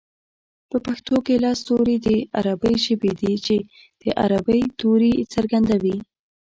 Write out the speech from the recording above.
په پښتو کې لس توري د عربۍ ژبې دي چې د عربۍ توري څرګندوي